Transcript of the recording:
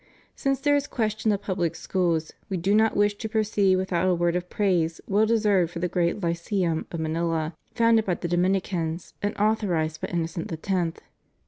Since there is question of public schools, We do not wish to proceed without a word of praise well de served for the great Lyceum of Manila, founded by the Dominicans, and authorized by Innocent X.